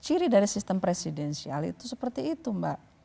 ciri dari sistem presidensial itu seperti itu mbak